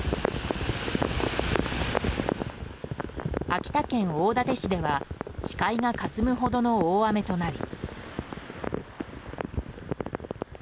秋田県大館市では視界がかすむほどの大雨となり。